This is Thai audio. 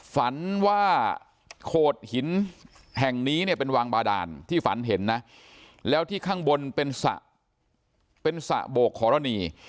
ฝันว่าโขดหินแห่งนี้เนี่ยเป็นวางบาดานที่ฝันเห็นนะแล้วที่ข้างบนเป็นสระเป็นสระโบกขอรณี